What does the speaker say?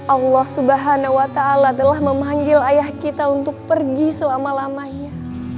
allah subhanahu wa ta'ala telah memanggil ayah kita untuk pergi selama lamanya